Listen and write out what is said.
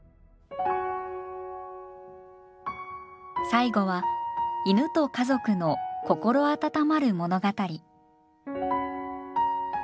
最後は犬と家族の心温まる物語。